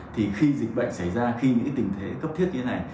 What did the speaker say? thì khi dịch bệnh xảy ra khi những tình thế cấp thiết như thế này